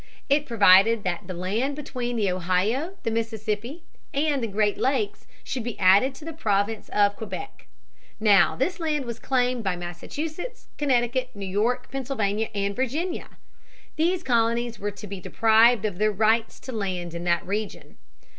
It provided that the land between the Ohio, the Mississippi, and the Great Lakes should be added to the Province of Quebec. Now this land was claimed by Massachusetts, Connecticut, New York, Pennsylvania, and Virginia. These colonies were to be deprived of their rights to land in that region.